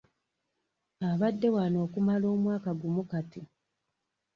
Abadde wano okumala mwaka gumu kati.